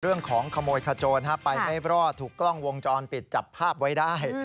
เรื่องของขโมยคจรไปไม่รอดถูกกล้องวงจรปิดจับภาพไว้ได้